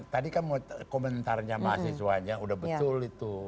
tadi kan komentarnya mahasiswanya udah betul itu